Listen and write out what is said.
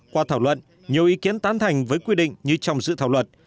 qua thảo luận nhiều ý kiến tán thành với quy định như trong dự thảo luật